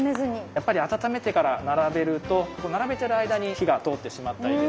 やっぱり温めてから並べると並べてる間に火が通ってしまったりですとか